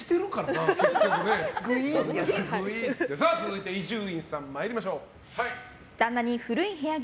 続いて伊集院さん参りましょう。